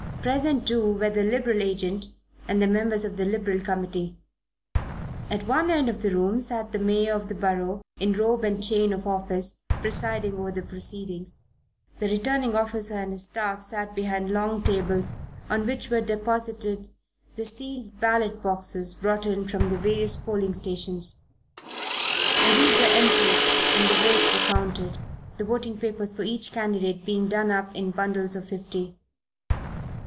Present too were the Liberal Agent and the members of the Liberal Committee. At one end of the room sat the Mayor of the Borough in robe and chain of office, presiding over the proceedings. The Returning Officer and his staff sat behind long tables, on which were deposited the sealed ballot boxes brought in from the various polling stations; and these were emptied and the votes were counted, the voting papers for each candidate being done up in bundles of fifty.